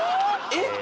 えっ！？